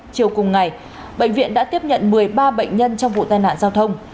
chiều cùng ngày bệnh viện đã tiếp nhận một mươi ba bệnh nhân trong vụ tai nạn giao thông